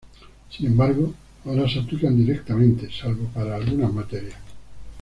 Sin embargo, ahora se aplican directamente, salvo para algunas materias.